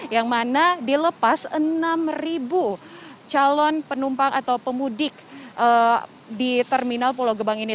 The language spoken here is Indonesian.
yang mana dilepas enam calon penumpang atau pemudik di terminal pulau gebang ini